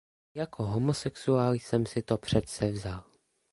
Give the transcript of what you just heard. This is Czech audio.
Jako homosexuál jsem si to předsevzal.